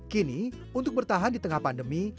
kini untuk bertahan di tengah pandemi